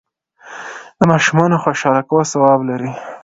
د ماشومانو خوشحاله کول ثواب لري.